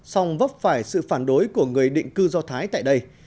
song vấp phải sự phản đối của người định cư do thái tại đây